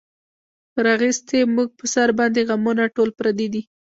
راغیستې مونږ پۀ سر باندې غمونه ټول پردي دي